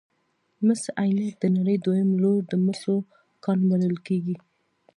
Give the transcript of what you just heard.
مس عینک د نړۍ دویم لوی د مسو کان بلل کیږي.